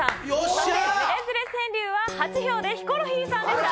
そしてズレズレ川柳は８票でヒコロヒーさんでした。